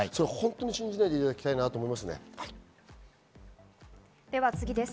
信じないでいただきたいと思います。